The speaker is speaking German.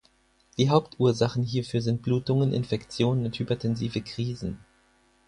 Die Hauptursachen hierfür sind Blutungen, Infektionen und hypertensive Krisen.